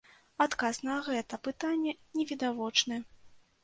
Адказ на гэта пытанне невідавочны.